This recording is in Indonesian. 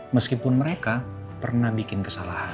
meskipun mereka pernah bikin kesalahan